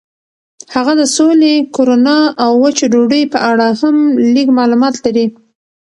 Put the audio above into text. هغه د سولې، کرونا او وچې ډوډۍ په اړه هم لږ معلومات لري.